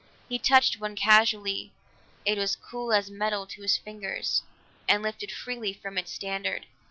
He touched one casually; it was cool as metal to his fingers, and lifted freely from its standard.